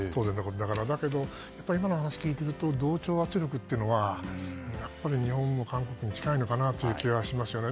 だけど、今の話を聞いていると同調圧力というのはやっぱり日本も韓国も近いのかなという気がしますよね。